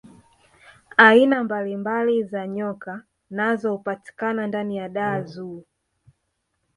aina mbalimbali za nyoka nazo hupatikana ndani ya dar zoo